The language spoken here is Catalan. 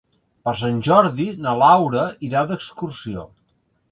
Per Sant Jordi na Laura irà d'excursió.